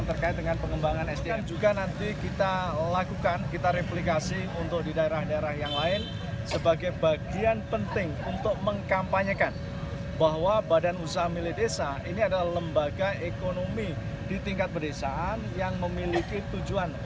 sehingga menjadikan bumdes bumdes yang bisa memberikan perspektif